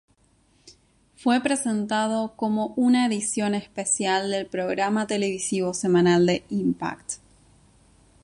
Fue presentado como una edición especial del programa televisivo semanal de Impact.